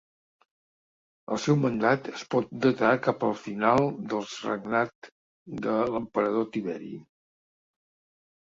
El seu mandat es pot datar cap al final del regnat de l'emperador Tiberi.